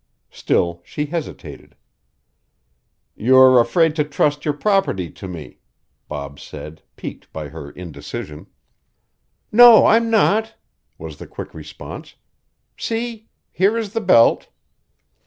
Still she hesitated. "You're afraid to trust your property to me," Bob said, piqued by her indecision. "No, I'm not," was the quick response. "See? Here is the belt."